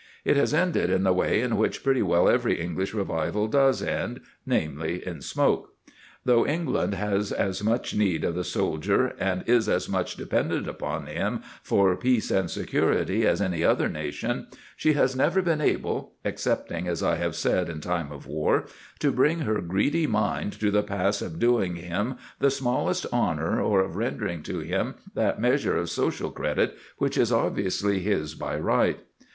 It has ended in the way in which pretty well every English revival does end namely, in smoke. Though England has as much need of the soldier and is as much dependent upon him for peace and security as any other nation, she has never been able excepting, as I have said, in time of war to bring her greedy mind to the pass of doing him the smallest honour or of rendering to him that measure of social credit which is obviously his by right.